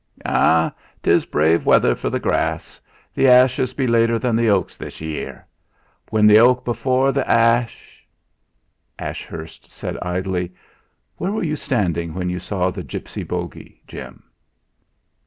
"Ah! 'Tes brave weather for the grass. The ashes be later than th' oaks this year. 'When th' oak before th' ash '" Ashurst said idly: "Where were you standing when you saw the gipsy bogie, Jim?"